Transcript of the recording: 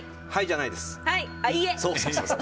はいじゃないです。